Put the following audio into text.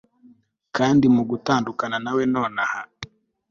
Kandi mugutandukana nawe nonaha